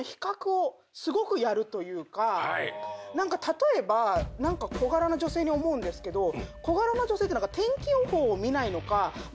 何か例えば小柄な女性に思うんですけど小柄な女性って天気予報を見ないのか。